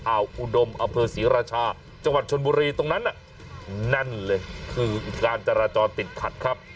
อุดมอำเภอศรีราชาจังหวัดชนบุรีตรงนั้นน่ะแน่นเลยคือการจราจรติดขัดครับ